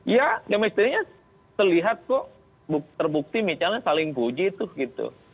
ya chemistry nya terlihat kok terbukti misalnya saling puji itu